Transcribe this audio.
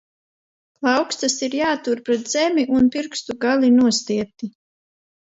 Plaukstas ir jātur pret zemi un pirkstu gali nostiepti.